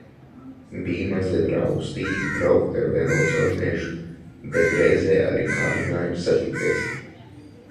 Bija mazliet raustīgi braukt ar velo caur mežu, bet reizē arī kārdinājums satikties.